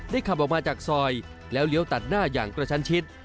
ขับออกมาจากซอยแล้วเลี้ยวตัดหน้าอย่างกระชันชิด